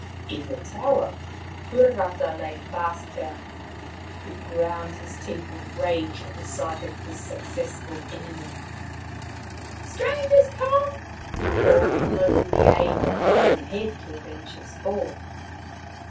In the tower Puarata lay fast bound. He ground his teeth with rage at sight of his successful enemy. " Strangers come !" he called, invoking the aid of the wooden head to avenge his fall.